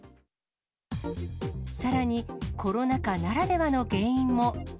さらに、コロナ禍ならではの原因も。